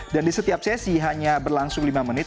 dan di setiap sesi hanya berlangsung lima menit